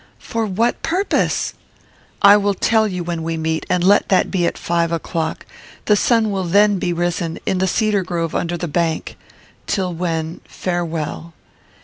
"For what purpose?" "I will tell you when we meet, and let that be at five o'clock; the sun will then be risen; in the cedar grove under the bank; till when, farewell."